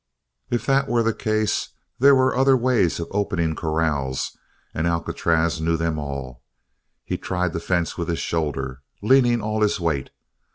If that were the case, there were other ways of opening corrals and Alcatraz knew them all. He tried the fence with his shoulder, leaning all his weight.